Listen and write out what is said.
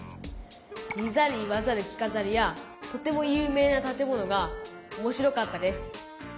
見ざる言わざる聞かざるやとても有名な建物がおもしろかったです。